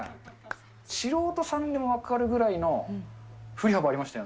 素人さんでも分かるぐらいの振り幅がありましたよ。